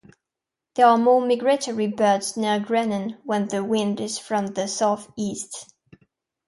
There are more migratory birds near Grenen when the wind is from the south-east.